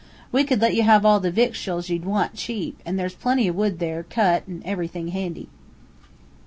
We could let ye have all the victuals ye'd want, cheap, and there's plenty o' wood there, cut, and everything handy."